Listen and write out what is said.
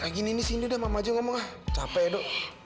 gini gini sih di udah mama aja ngomong capek edo